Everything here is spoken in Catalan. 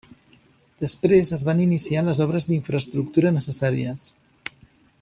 Després es van iniciar les obres d'infraestructura necessàries.